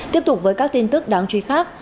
tiếp tục với các tin tức đáng chú ý khác